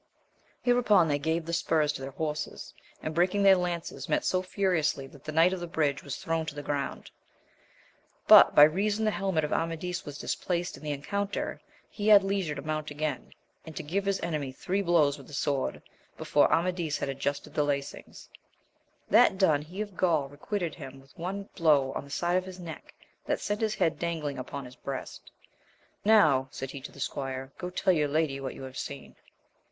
Hereupon they gave the spurs to their horses, and breaking their lances, met so furiously that the knight of the bridge was thrown to the ground ; but, by reason the helmet of Amadis was displaced in the encounter, he had leisure to mount again, and to give his enemy three blows with the sword, before Amadis had adjusted the lacings ; that done he of Gaul requited him with one blow on the side of the neck, that sent his head dangling upon his breast. Now, said he to the squire, go tell your lady what you have seen.